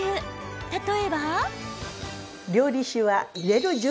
例えば。